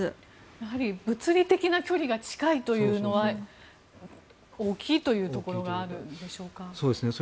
やはり物理的な距離が近いというのは大きいというところがあるんでしょうか。